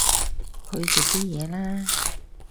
去食啲嘢啦